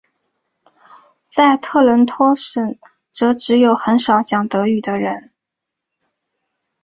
在特伦托省则只有很少讲德语的人。